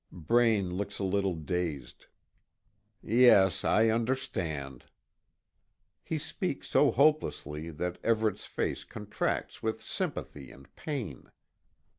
Braine looks a little dazed. "Yes, I understand." He speaks so hopelessly that Everet's face contracts with sympathy and pain.